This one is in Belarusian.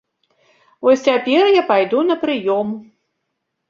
Вось цяпер я пайду на прыём.